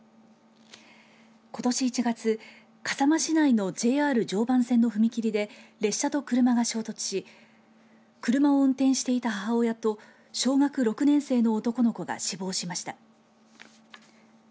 ことし１月笠間市内のＪＲ常磐線の踏切で列車と車が衝突し車を運転していた母親と小学６年生の男の子が死亡しました。